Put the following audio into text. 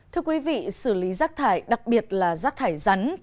thưa quý vị xử lý rác thải đặc biệt là rác thải rắn